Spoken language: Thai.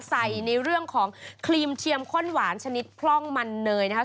ในเรื่องของครีมเชียมข้นหวานชนิดพร่องมันเนยนะครับ